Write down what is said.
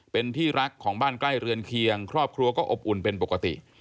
เป็นที่รักของบ้านใกล้เรือนเคียงครอบครัวก็อบอุ่นเป็นปกติ